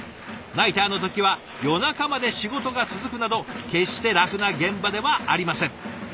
ナイターの時は夜中まで仕事が続くなど決して楽な現場ではありません。